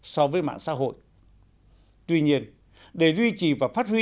so với mạng xã hội tuy nhiên để duy trì và phát huy